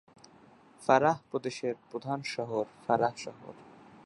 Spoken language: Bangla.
ফারাহ প্রদেশের প্রধান শহর ফারাহ শহর।